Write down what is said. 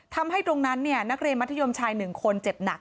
ทำให้ตรงนั้นเนี่ยนักเรียนมัธยมชายหนึ่งคนเจ็บหนัก